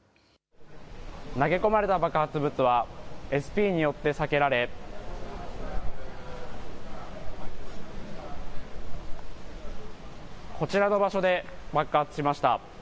投げ込まれた爆発物はＳＰによって避けられ、こちらの場所で爆発しました。